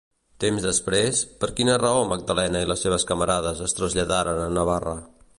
Temps després, per quina raó Magdalena i les seves camarades es traslladaren a Navarra?